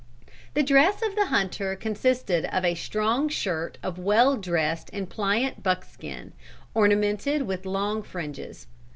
The dress of the hunter consisted of a strong shirt of well dressed and pliant buckskin, ornamented with long fringes.